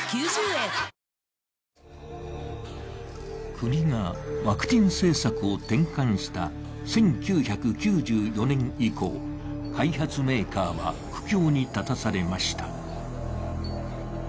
国がワクチン政策を転換した１９９４年以降開発メーカーは苦境に立たされました。